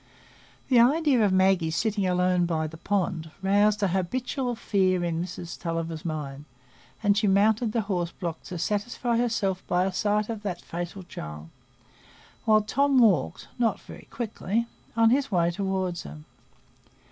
The idea of Maggie sitting alone by the pond roused an habitual fear in Mrs Tulliver's mind, and she mounted the horse block to satisfy herself by a sight of that fatal child, while Tom walked—not very quickly—on his way toward her.